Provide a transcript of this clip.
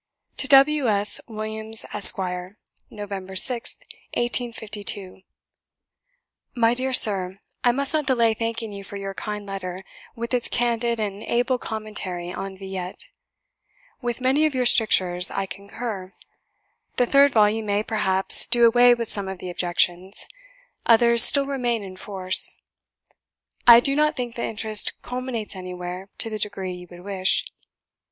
To W. S. WILLIAMS, ESQ. "Nov. 6th, 1852. "My dear Sir, I must not delay thanking you for your kind letter, with its candid and able commentary on 'Villette.' With many of your strictures I concur. The third volume may, perhaps, do away with some of the objections; others still remain in force. I do not think the interest culminates anywhere to the degree you would wish.